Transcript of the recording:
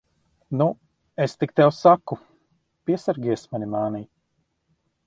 Nu, es tik tev saku, piesargies mani mānīt!